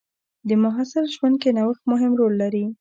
د محصل ژوند کې نوښت مهم رول لري.